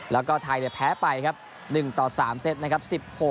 แล้วก็ไทยเนี่ยแพ้ไปนะครับ๑ต่อ๓เซตนะครับ๑๖๒๕๑๘๒๕๒๕๒๐